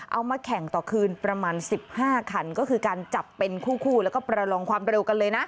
เอามาแข่งต่อคืนประมาณ๑๕คันก็คือการจับเป็นคู่แล้วก็ประลองความเร็วกันเลยนะ